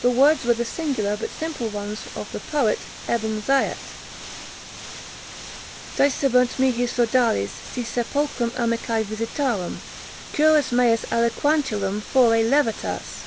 The words were the singular but simple ones of the poet Ebn Zaiat:—"Dicebant mihi sodales si sepulchrum amicae visitarem, curas meas aliquantulum fore levatas."